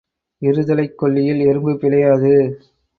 இருதலைக் கொள்ளியில் எறும்பு பிழையாது.